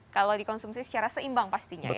kalau dikonsumsi secara seimbang pastinya